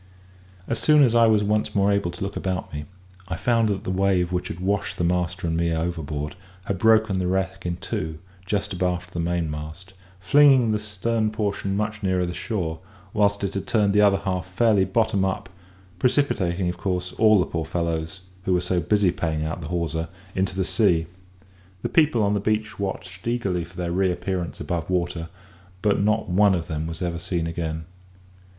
As soon as I was once more able to look about me, I found that the wave which had washed the master and me overboard, had broken the wreck in two just abaft the mainmast, flinging the stern portion much nearer the shore, whilst it had turned the other half fairly bottom up, precipitating, of course, all the poor fellows, who were so busy paying out the hawser, into the sea. The people on the beach watched eagerly for their reappearance above water, but not one of them was ever seen again.